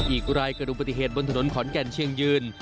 อีกรายเกิดดูปฏิเหตุบนถนนขอนแก่นเชียงยืน